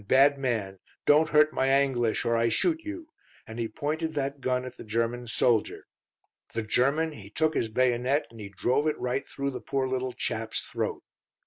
bad man! don't hurt my Anglish or I shoot you'; and he pointed that gun at the German soldier. The German, he took his bayonet, and he drove it right through the poor little chap's throat."